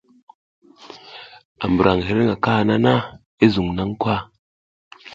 A mburan hima kanaha na, i zun na kwa ?